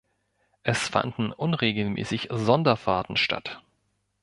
Es fanden unregelmäßig Sonderfahrten statt.